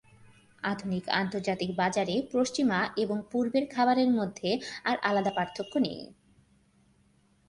আধুনিক আন্তর্জাতিক বাজারে পশ্চিমা এবং পূর্বের খাবারের মধ্যে আর আলাদা পার্থক্য নেই।